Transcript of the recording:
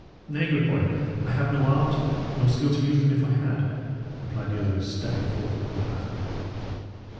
"Nay, good boy, I have no arms, nor skill to use them if I had," replied the other, stepping forth upon the pathway.